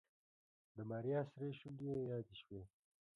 د ماريا سرې شونډې يې يادې شوې.